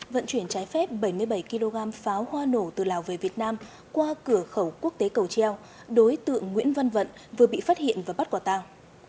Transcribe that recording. vận chuyển trái phép bảy mươi bảy kg pháo hoa nổ từ lào về việt nam qua cửa khẩu quốc tế cầu treo đối tượng nguyễn văn vận vừa bị phát hiện và bắt quả tang